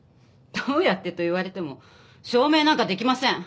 どうやってと言われても証明なんか出来ません。